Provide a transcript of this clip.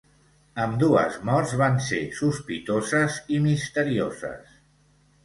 Ambdues morts van ser sospitoses i misterioses.